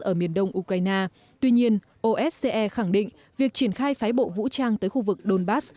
ở miền đông ukraine tuy nhiên osce khẳng định việc triển khai phái bộ vũ trang tới khu vực donbass